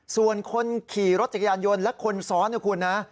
ส่วนคนขี่รถจักรยานยนต์และคนซ้อน